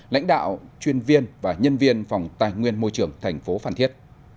lãnh đạo chuyên viên và nhân viên phòng tài nguyên môi trường thành phố phan thiết